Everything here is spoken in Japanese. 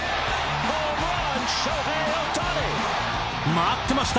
待ってました、